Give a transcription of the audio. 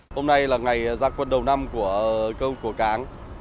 hôm nay là ngày ra quân đầu năm của cơ hội của cáng